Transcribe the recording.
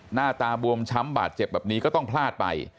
หน้าตาบวมช้ำบาดเจ็บแบบนี้ก็ต้องพลาดไป